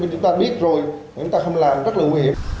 chúng ta biết rồi người ta không làm rất là nguy hiểm